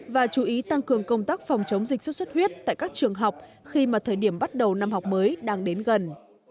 và chú ý tăng cường công tác phòng chống dịch xuất xuất huyết tại các trường học khi mà thời điểm bắt đầu năm học mới đang đến gần